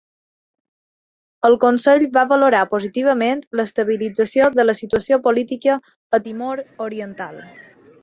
El Consell va valorar positivament l'estabilització de la situació política a Timor Oriental.